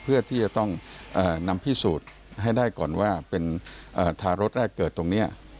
เพื่อที่จะต้องนำพิสูจน์ให้ได้ก่อนว่าเป็นทารกแรกเกิดตรงนี้